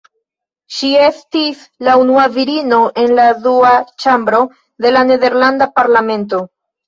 Ŝi estis la unua virino en la Dua Ĉambro de la nederlanda parlamento.